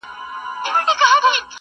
• لېوه سمبول دنني وحشت ښيي ډېر..